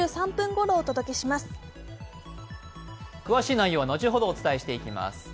詳しい内容は後ほどお伝えしていきます。